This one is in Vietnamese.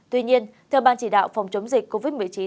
tuy nhiên theo ban chỉ đạo phòng chống dịch covid một mươi chín